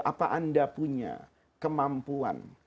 apa anda punya kemampuan